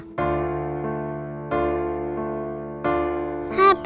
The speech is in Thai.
แล้วหนูก็บอกว่าไม่เป็นไรห้าว่างนะคะ